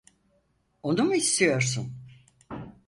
Onu mu istiyorsun?